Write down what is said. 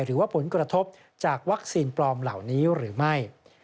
หรือว่าผลกระทบจากวัคซีนปลอมเหล่านี้หรือไม่